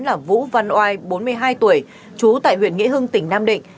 là vũ văn oai bốn mươi hai tuổi trú tại huyện nghĩa hưng tỉnh nam định